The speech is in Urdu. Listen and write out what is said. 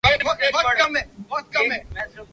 احسان نے خود کو پاک فوج کے حوالے کیا ہے